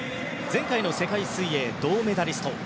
前回の世界水泳、銅メダリスト。